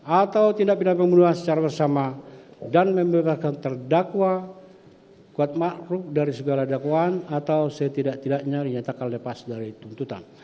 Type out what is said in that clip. atau tindak pidana pembunuhan secara bersama dan membebaskan terdakwa kuat makrup dari segala dakwaan atau setidak tidaknya dinyatakan lepas dari tuntutan